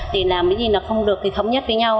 thì làm cái gì nó không được thì thống nhất với nhau